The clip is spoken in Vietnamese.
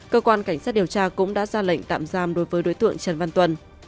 cơ quan cảnh sát điều tra cũng đã ra lệnh tạm giam đối với đối tượng trần văn tuân